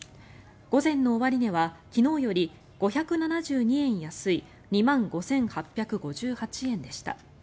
午前の終値は昨日より５７２円安い２万５８５８円でした。